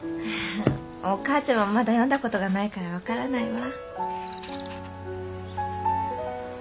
お母ちゃまもまだ読んだ事がないから分からないわ。